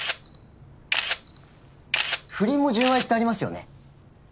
不倫も純愛ってありますよね？